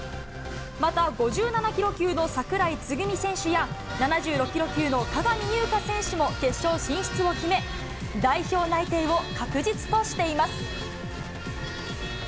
また、５７キロ級の櫻井つぐみ選手や、７６キロ級の鏡優翔選手も決勝進出を決め、代表内定を確実としています。